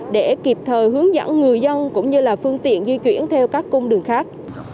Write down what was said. để kịp thời hướng dẫn người dân cũng như là phương tiện di chuyển theo các cung đường khác